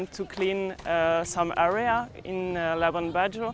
dan untuk membersihkan beberapa area di labuan bajo